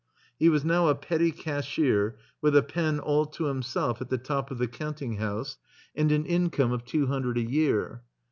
He was now a petty cashier with a pen all to himself at the top of the cx)unting house, and an income of two hundred a year.